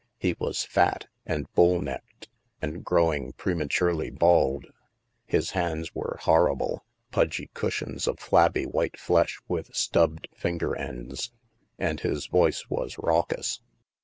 He was fat, and bull necked, and growing prematurely bald. His hands were horrible — pudgy cushions of flabby white flesh with stubbed finger ends. And his voice was raucous.